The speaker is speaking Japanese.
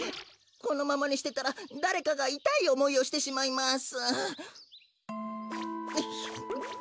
このままにしてたらだれかがいたいおもいをしてしまいます。